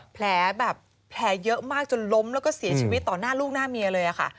แผลแบบแผลเยอะมากจนล้มแล้วก็เสียชีวิตต่อหน้าลูกหน้าเมียเลยค่ะ